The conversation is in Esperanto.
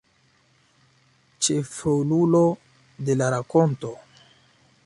Ĉefrolulo de la rakonto.